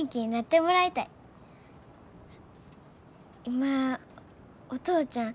今お父ちゃん